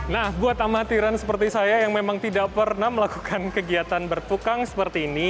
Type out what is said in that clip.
nah buat amatiran seperti saya yang memang tidak pernah melakukan kegiatan bertukang seperti ini